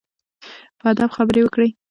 په ادب خبرې وکړئ.